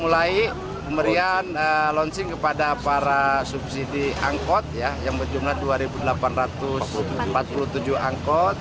mulai pemberian launching kepada para subsidi angkot yang berjumlah dua delapan ratus empat puluh tujuh angkot